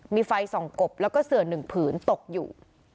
มีไฟส่องกบแล้วก็เสือ๑ผืนตกอยู่